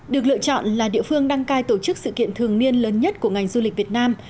được lựa chọn là địa phương đăng cai tổ chức sự kiện thường niên lớn nhất của ngành du lịch việt nam